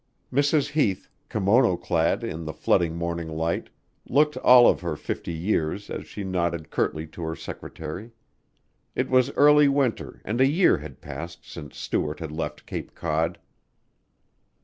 Mrs. Heath, kimono clad in the flooding morning light, looked all of her fifty years as she nodded curtly to her secretary. It was early winter and a year had passed since Stuart had left Cape Cod.